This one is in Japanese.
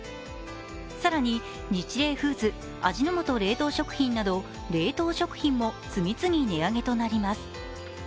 更に、ニチレイフーズ、味の素冷凍食品など冷凍食品も次々、値上げとなります